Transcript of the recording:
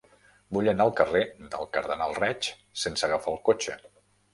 Vull anar al carrer del Cardenal Reig sense agafar el cotxe.